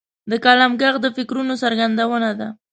د قلم ږغ د فکرونو څرګندونه ده.